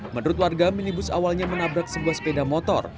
menurut warga minibus awalnya menabrak sebuah sepeda motor